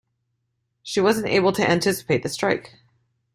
She wasn't able to anticipate the strike.